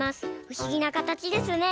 ふしぎなかたちですね。